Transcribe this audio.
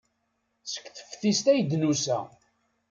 Seg teftist ay d-nusa.